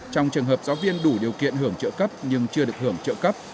trong trường hợp giáo viên đủ điều kiện hưởng trợ cấp nhưng chưa được hưởng trợ cấp